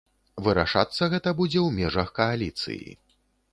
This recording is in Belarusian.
Вырашацца гэта будзе ў межах кааліцыі.